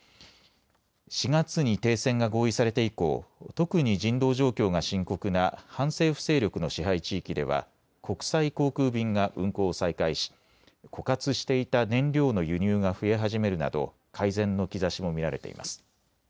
４月に停戦が合意されて以降、特に人道状況が深刻な反政府勢力の支配地域では国際航空便が運航を再開し枯渇していた燃料の輸入が増え始めるなど改善の兆しも見られています。